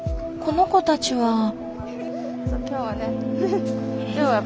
この子たちは。